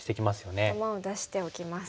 頭を出しておきます。